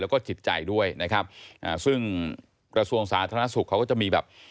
แล้วก็จิตใจด้วยนะครับอ่าซึ่งกระทรวงสาธารณสุขเขาก็จะมีแบบ